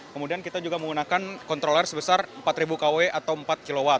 kemudian kita juga menggunakan kontroler sebesar empat ribu kw atau empat kw